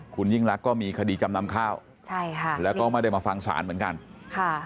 คุณยิ่งรักก็มีคดีจำนำข้าวใช่ค่ะแล้วก็ไม่ได้มาฟังศาลเหมือนกันค่ะ